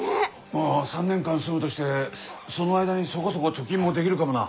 まあ３年間住むとしてその間にそこそこ貯金もできるかもな。